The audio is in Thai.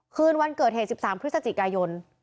คืนวันเกิดเหตุ๑๓พฤศจิกายน